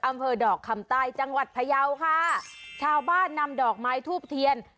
อำเภอดอกคำใต้จังหวัดพยาวค่ะชาวบ้านนำดอกไม้ทูบเทียน